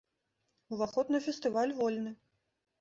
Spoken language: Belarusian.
Уваход на фестываль вольны.